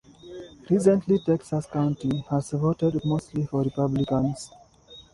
Recently Texas county has voted mostly for Republicans.